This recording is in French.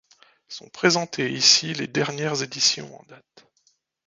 Sont présentées ici les dernières éditions en date.